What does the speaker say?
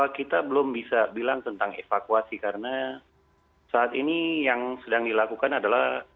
kita belum bisa bilang tentang evakuasi karena saat ini yang sedang dilakukan adalah